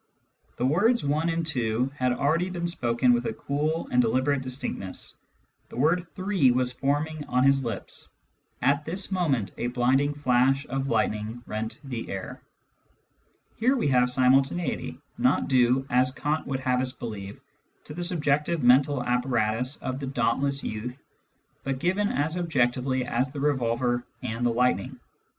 The words one and two had already been spoken with a cool and deliberate distinctness. The word three was forming on his lips. At this moment a blinding flash of lightning rent the air." Here we have simultaneity — not due, as Kant would have us believe, to the subjective mental apparatus of the dauntless youth, but given as objectively as the revolver and the lightning.